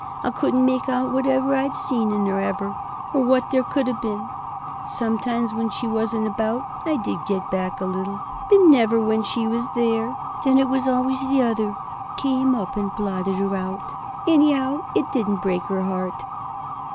I couldn't make out whatever I 'ad seen in 'er ever, or what there could 'ave been. Sometimes when she wasn't about, I did get back a little, but never when she was there. Then it was always the other came up and blotted her out.... Anyow, it didn't break her heart."